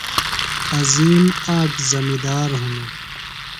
عظیم آک زمِندار ہِنوۡ۔